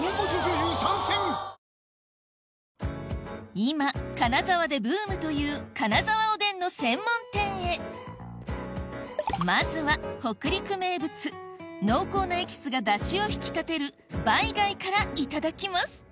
今金沢でブームという金沢おでんの専門店へまずは北陸名物濃厚なエキスが出汁を引き立てるバイ貝からいただきます